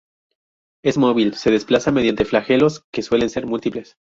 Es móvil, se desplaza mediante flagelos que suelen ser múltiples.